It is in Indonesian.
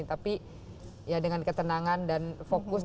tapi ya dengan ketenangan dan fokus